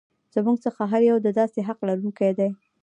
زموږ څخه هر یو د داسې حق لرونکی دی.